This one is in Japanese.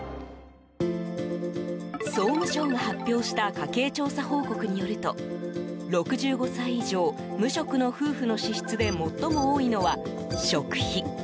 総務省が発表した家計調査報告によると６５歳以上、無職の夫婦の支出で最も多いのは食費。